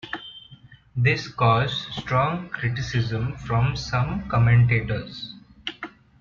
This caused strong criticism from some commentators.